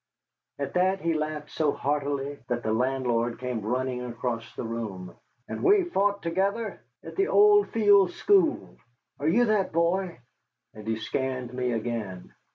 At that he laughed so heartily that the landlord came running across the room. "And we fought together at the Old Fields School. Are you that boy?" and he scanned me again.